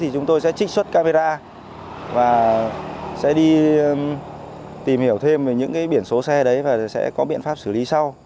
chúng tôi sẽ trích xuất camera và sẽ đi tìm hiểu thêm về những biển số xe đấy và sẽ có biện pháp xử lý sau